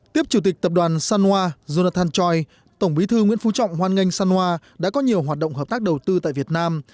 tiếp chủ tịch tập đoàn sanwa jonathan choi tổng bí thư nguyễn phú trọng hoan nghênh sanwa đã có nhiều hoạt động hợp tác đầu tư tại việt nam